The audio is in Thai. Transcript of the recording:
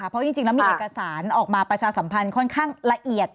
เพราะจริงแล้วมีเอกสารออกมาประชาสัมพันธ์ค่อนข้างละเอียด